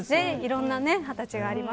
いろんな２０歳があります。